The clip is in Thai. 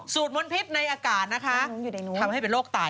มนพิษในอากาศนะคะทำให้เป็นโรคไต่